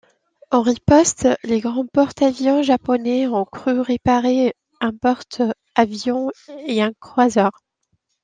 En riposte, les grands porte-avions japonais ont cru repérer un porte-avions et un croiseur.